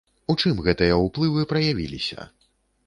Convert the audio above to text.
У чым гэтыя ўплывы праявіліся?